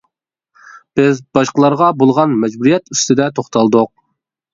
بىز باشقىلارغا بولغان مەجبۇرىيەت ئۈستىدە توختالدۇق.